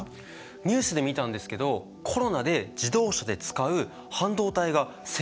ニュースで見たんですけどコロナで自動車で使う半導体が世界中でなくなった。